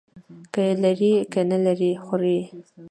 که لري، که نه لري، خوري.